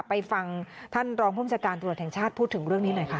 ไปฟังท่านรองภูมิชาการตรวจแห่งชาติพูดถึงเรื่องนี้หน่อยค่ะ